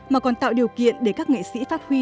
mà còn tạo điều kiện để các nghệ sĩ phát huy